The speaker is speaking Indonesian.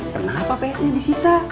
kenapa ps nya di cita